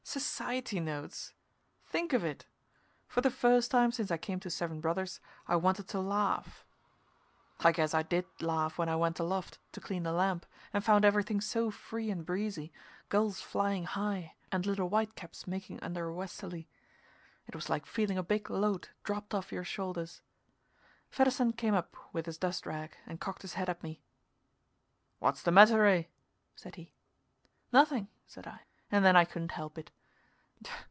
Society Notes! Think of it! For the first time since I came to Seven Brothers I wanted to laugh. I guess I did laugh when I went aloft to clean the lamp and found everything so free and breezy, gulls flying high and little whitecaps making under a westerly. It was like feeling a big load dropped off your shoulders. Fedderson came up with his dust rag and cocked his head at me. "What's the matter, Ray?" said he. "Nothing," said I. And then I couldn't help it.